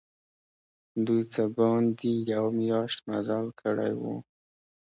دوی څه باندي یوه میاشت مزل کړی وو.